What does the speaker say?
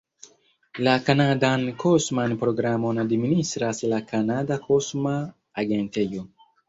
La kanadan kosman programon administras la Kanada Kosma Agentejo.